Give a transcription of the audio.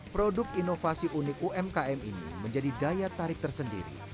produk inovasi unik umkm ini menjadi daya tarik tersendiri